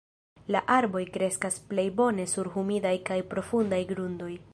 La arboj kreskas plej bone sur humidaj kaj profundaj grundoj.